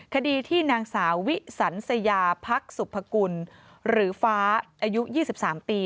คดีที่นางสาววิสันสยาพักสุภกุลหรือฟ้าอายุ๒๓ปี